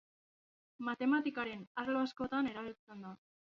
Matematikaren arlo askotan erabiltzen da.